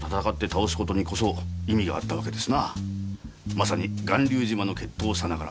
まさに巌流島の決闘さながら。